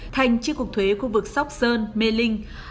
thành tri cục thuế khu vực sóc sơn mê linh hà nội